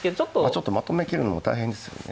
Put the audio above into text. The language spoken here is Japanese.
ちょっとまとめきるのも大変ですよね。